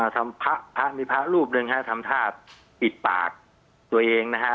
ซึ่งพระนาถมีภารูปหนึ่งฮะทำท่าปิดปากส์ตัวเองนะฮะ